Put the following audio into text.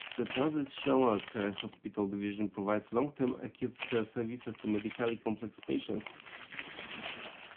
The Transitional Care Hospital division provides long-term acute care services to medically complex patients.